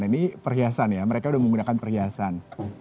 ini perhiasan ya mereka udah menggunakan perhiasan